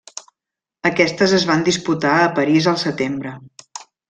Aquestes es van disputar a París al setembre.